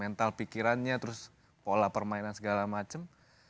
mental pikirannya terus pola permainan segala macam